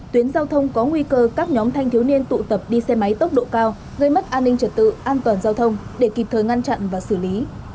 tuyến giao thông có nguy cơ các nhóm thanh thiếu niên tụ tập đi xe máy tốc độ cao gây mất an ninh trật tự an toàn giao thông để kịp thời ngăn chặn và xử lý